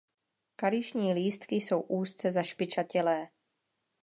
Kališní lístky jsou úzce zašpičatělé.